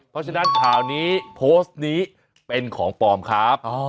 เพราะฉะนั้นข่าวนี้โพสต์นี้เป็นของปลอมครับ